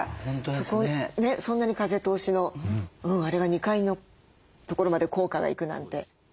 そんなに風通しのあれが２階の所まで効果が行くなんて。